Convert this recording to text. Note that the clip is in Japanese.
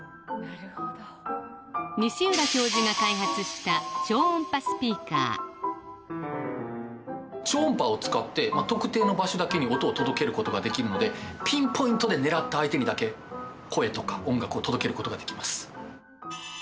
西浦教授が開発した超音波を使って特定の場所だけに音を届けることができるのでピンポイントで狙った相手にだけ声とか音楽を届けることができます